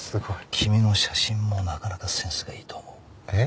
君の写真もなかなかセンスがいいと思う。